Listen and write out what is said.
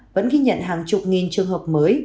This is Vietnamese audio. vẫn ghi nhận hàng chục nghìn trường hợp mới